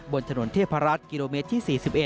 บนถนนเทพรัฐกิโลเมตรที่๔๑